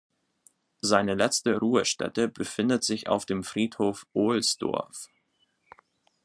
Seine letzte Ruhestätte befindet sich auf dem Friedhof Ohlsdorf.